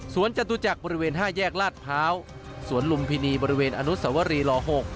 จตุจักรบริเวณ๕แยกลาดพร้าวสวนลุมพินีบริเวณอนุสวรีลอ๖